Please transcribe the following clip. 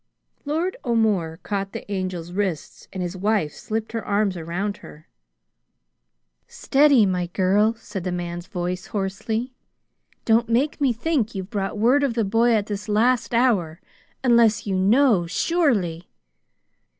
Lord O'More caught the Angel's wrists and his wife slipped her arms around her. "Steady, my girl!" said the man's voice hoarsely. "Don't make me think you've brought word of the boy at this last hour, unless you know surely."